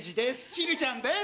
ひるちゃんです！